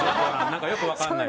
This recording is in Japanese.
何かよく分かんない。